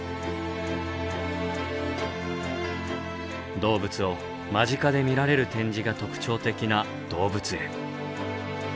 動物を間近で見られる展示が特徴的な動物園。